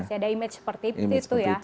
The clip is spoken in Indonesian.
masih ada image seperti itu ya